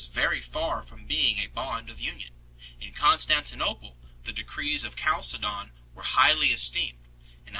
very far from being a bond of union. In Constantinople the decrees of Chalcedon were highly esteemed, in Alexandria 1 T6 evuTLKov.